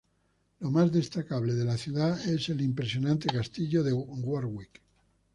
Lo más destacable de la ciudad es el impresionante castillo de Warwick.